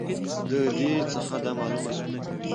د دې څخه دا معلومه سوه